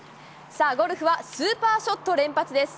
ゴルフはスーパーショット連発です。